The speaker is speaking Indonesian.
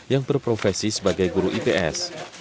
yang berprofesi sebagai guru ips